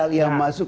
kekayaan gimana pak